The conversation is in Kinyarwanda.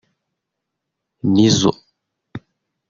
Nizzo